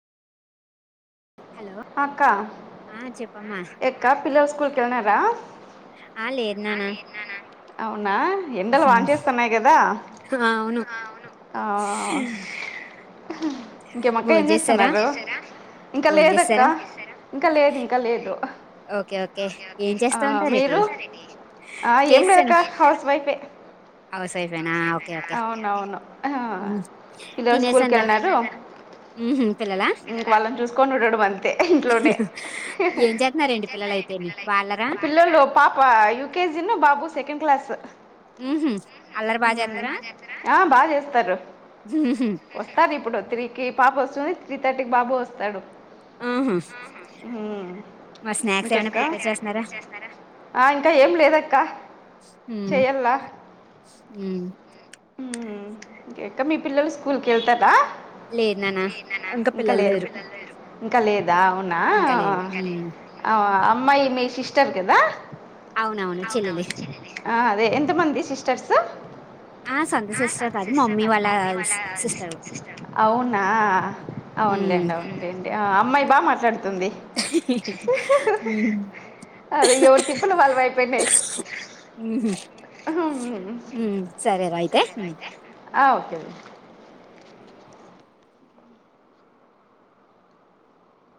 అక్క ఎక్క పిల్లలు స్కూల్కి ఏలిన్నారా అవునా ఎండలు వా చేేస్తున్నాయి కదా ఆ అవును ఆ ఇంకే మక్క ఏం చేస్తున్నారు ఇంకా లేద ఇకా ఇంకా లేదు ఇంకా లేదు మీరు ఆ ఏం లేదాకా హౌస్ వైఫే హౌస్ వ వైఫ్ నా ఓకే ఓకే తినేస రా ఉమ్మ్ ఇం వాళ్ళని చూసుకొని ఉండడం అంతే ఇంట్లోనే డి పిల్లలు పాప యూకేజీ ను బాబు సెకండ్ క్లాస్ ఆ బాగా చేస్తారు వస్తాను ఇప్పుడు త్రీకి పాప వస్తుంది త్రీ థర్టీకి బాబు వస్తాడు ఇంకెక్కా ఇంకా ఏం లేద క్క మ్మ్ మ్మ్ క మీ పిల్లలు స్కూల్ కళ్తారా లే నాన్న ఇంకా పిల్లలు లేరు ఇంకా లేదా అవునా అమ్మాయి మీ సిస్టర్ కదా అవునవును ఆ అదే ఎంత మంది సిస్టర్స్ స సిస్ మమ వా సిస్ అవునా అవునులేండి అవునులేండి ఆ అమ్మాయి బా మాట్లాడుతుంది ఉమ్ అదే ఎవరీ తీఫలు వాళ్ళవి వయపయియి హ అవు అ